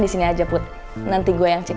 disini aja put nanti gue yang cek